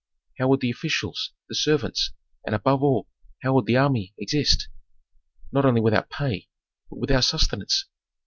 How would the officials, the servants, and above all how would the army, exist, not only without pay, but without sustenance?